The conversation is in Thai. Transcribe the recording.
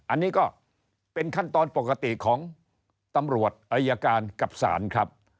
อันนี้ก็เป็นขั้นตอนปกติของตำรวจอายการกับศาลครับ